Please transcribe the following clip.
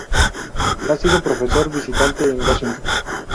Ha sido profesor visitante en Washington.